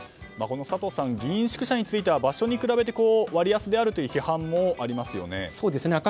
佐藤さん、議員宿舎については場所に比べて割安であるという批判もありますよね。